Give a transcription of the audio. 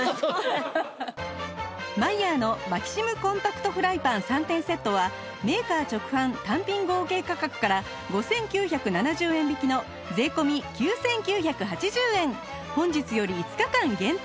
マイヤーのマキシムコンパクトフライパン３点セットはメーカー直販単品合計価格から５９７０円引きの税込９９８０円本日より５日間限定！